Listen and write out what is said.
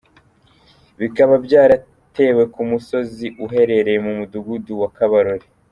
Bikaba byaratewe ku musozi uherereye mu mudugudu wa Kabarore.